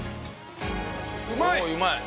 うまい！